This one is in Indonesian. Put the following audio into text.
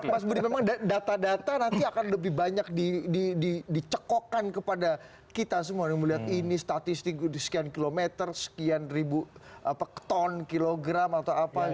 mas budi memang data data nanti akan lebih banyak dicekokkan kepada kita semua yang melihat ini statistik sekian kilometer sekian ribu ton kilogram atau apa